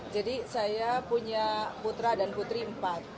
jadi saya punya putra dan putri empat